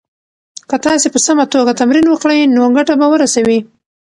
که تاسي په سمه توګه تمرین وکړئ نو ګټه به ورسوي.